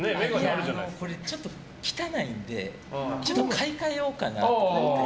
これ、ちょっと汚いのでちょっと買い換えようかなって。